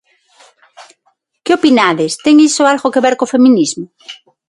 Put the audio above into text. Que opinades, ten iso algo que ver co feminismo?